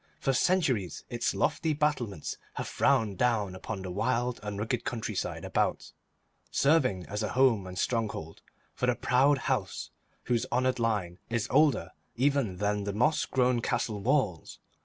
For centuries its lofty battlements have frowned down upon the wild and rugged countryside about, serving as a home and stronghold for the proud house whose honoured line is older even than the moss grown castle walls.